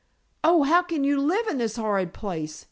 "Oh, how can you live in this horrid place?"